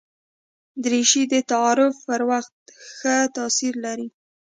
دریشي د تعارف پر وخت ښه تاثیر لري.